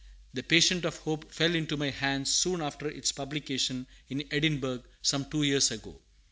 The Patience of Hope fell into my hands soon after its publication in Edinburgh, some two years ago.